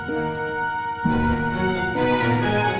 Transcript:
oh iya jangan